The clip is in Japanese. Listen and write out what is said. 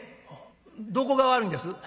「どこが悪いんです？」。